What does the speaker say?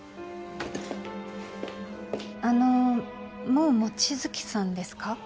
あのもう望月さんですか？